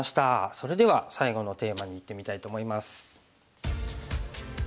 それでは最後のテーマにいってみたいと思います。